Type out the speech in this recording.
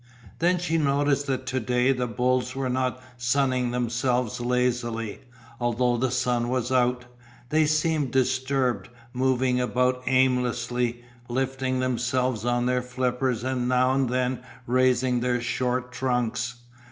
Then she noticed that to day the bulls were not sunning themselves lazily, although the sun was out. They seemed disturbed, moving about aimlessly, lifting themselves on their flippers and now and then raising their short trunks.